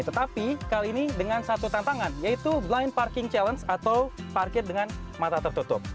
tetapi kali ini dengan satu tantangan yaitu blind parking challenge atau parkir dengan mata tertutup